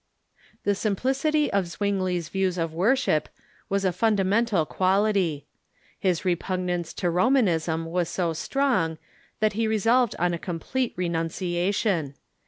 The simplicity of Zwingli's views of worship Avas a funda mental quality. His repugnance to Romanism was so strong „.... that he resolved on a complete renunciation.